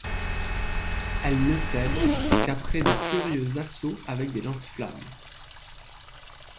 Elle ne cède qu'après de furieux assaut avec des lance-flammes.